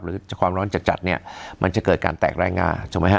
หรือความร้อนจัดจัดเนี่ยมันจะเกิดการแตกแรงงาถูกไหมฮะ